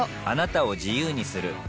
あなたを自由にする